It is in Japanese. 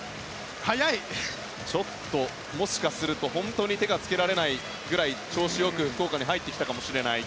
ちょっと、もしかすると本当に手が付けられないくらい調子良く福岡に入ってきたかもしれません。